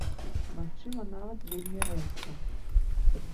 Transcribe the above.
Магчыма, нават вельмі рэзка.